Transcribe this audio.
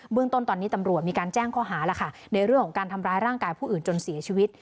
เรื่องต้นตอนนี้ตำรวจมีการแจ้งข้อหาแล้วค่ะในเรื่องของการทำร้ายร่างกายผู้อื่นจนเสียชีวิต